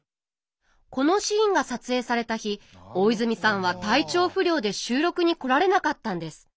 このシーンが撮影された日大泉さんは体調不良で収録に来られなかったんです。